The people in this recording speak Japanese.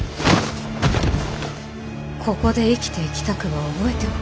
ここで生きていきたくば覚えておけ。